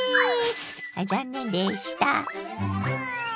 あっ残念でした。